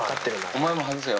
お前も外せよ。